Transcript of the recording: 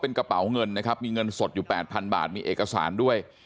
กระเป๋าเงินนะครับมีเงินสดอยู่๘๐๐๐บาทมีเอกสารด้วย